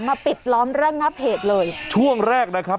ปิดล้อมระงับเหตุเลยช่วงแรกนะครับ